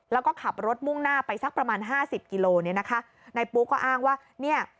แล้วก็ขับรถมุ่งหน้าไปสักประมาณห้าสิบกิโลเนี่ยนะคะนายปุ๊ก็อ้างว่าเนี่ย